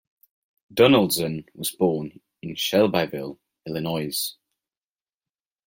Donaldson was born in Shelbyville, Illinois.